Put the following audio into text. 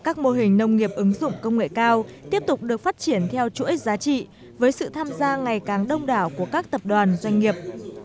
các mô hình nông nghiệp ứng dụng công nghệ cao tiếp tục được phát triển theo chuỗi giá trị với sự tham gia ngày càng đông đảo của các tập đoàn doanh nghiệp